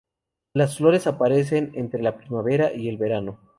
Las flores aparecen entre la primavera y el verano.